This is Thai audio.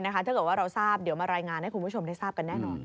ถ้าเกิดว่าเราทราบเดี๋ยวมารายงานให้คุณผู้ชมได้ทราบกันแน่นอน